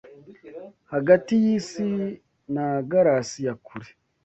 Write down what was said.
hagati yisi na galasi ya kure